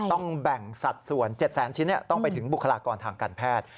ต้องแบ่งสัดส่วน๗แสนชิ้นต้องไปถึงบุคลากรทางการแพทย์